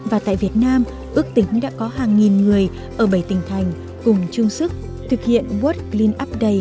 và tại việt nam ước tính đã có hàng nghìn người ở bảy tỉnh thành cùng chung sức thực hiện world clean up day hai nghìn một mươi tám